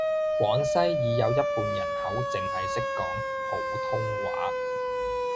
廣西已有一半人口淨係識講普通話